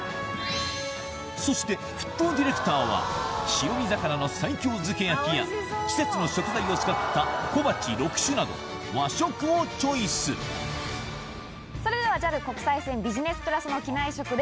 そして沸騰ディレクターは白身魚の西京漬け焼きや季節の食材を使った小鉢６種など和食をチョイスそれではＪＡＬ国際線ビジネスクラスの機内食です。